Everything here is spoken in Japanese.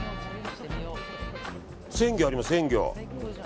鮮魚あります、鮮魚。